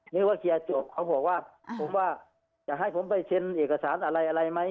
นึกว่าเคลียร์จบเขาบอกว่าผมว่าจะให้ผมไปเซ็นเอกสารอะไรอะไรไหม